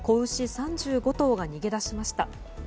３５頭が逃げ出しました。